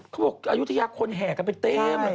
เขาบอกอยุทยาคนแห่กันไปเต็ม